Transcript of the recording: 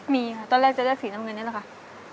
มีค่ะตอนแรกจะเลือกสีน้ำเงินนี่แหละค่ะ